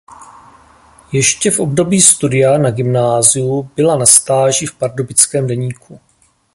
Ještě v období studia na gymnáziu byla na stáži v Pardubickém deníku.